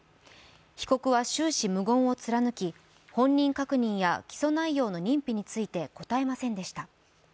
被告は終始無言を貫き、本人確認や起訴内容の認否について答えませんでした。